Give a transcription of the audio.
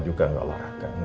bapak dari mana